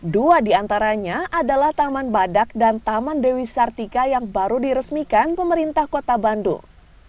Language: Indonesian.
dua diantaranya adalah taman badak dan taman dewi sartika yang baru diresmikan pemerintah kota bandung